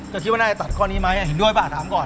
ก็คิดว่าน่าจะตัดข้อนี้ไหมเห็นด้วยป่ะถามก่อน